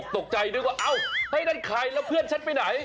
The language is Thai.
โต๊ะใจอ้ะให้ได้ใครเพื่อนฉันไปไหน